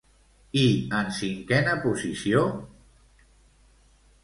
I en cinquena posició?